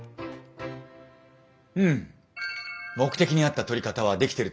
うん目的に合った撮り方はできてると思いますよ。